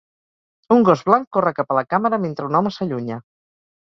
Un gos blanc corre cap a la càmera mentre un home s'allunya.